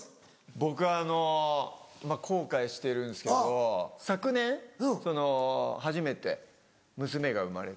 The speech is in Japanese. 僕あの後悔してるんすけど昨年その初めて娘が生まれて。